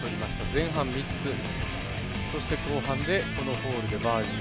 前半３つ、そして後半で、このホールでバーディー。